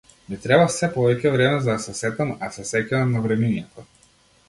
Ми треба сѐ повеќе време за да се сетам, а се сеќавам на времињата.